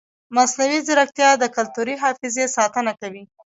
مصنوعي ځیرکتیا د کلتوري حافظې ساتنه کوي.